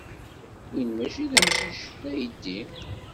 Win maci d amcic, d aydi.